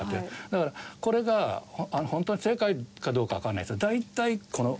だからこれがホントに正解かどうかわからないですが大体この。